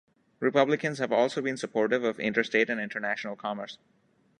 Republicans have also been supportive of interstate and international commerce.